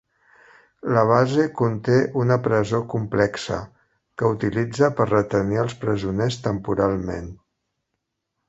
La base conté una presó complexa, que utilitza per retenir els presoners temporalment.